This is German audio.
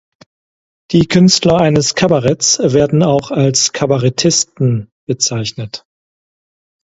Die Künstler eines Kabaretts werden auch als Kabarettisten bezeichnet.